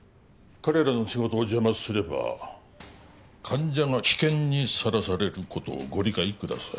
彼らの仕事を邪魔すれば患者が危険にさらされることをご理解ください